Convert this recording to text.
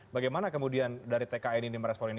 bagaimana kemudian dari tkn ini merespon ini